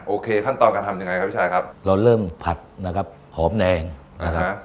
ขั้นตอนการทำยังไงครับพี่ชายครับเราเริ่มผัดนะครับหอมแดงนะฮะ